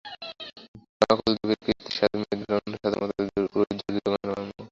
নকল দেবীর কৃত্রিম সাজ, মেয়েদের অন্য সাজেরই মতো, পুরুষ-দর্জির দোকানে বানানো।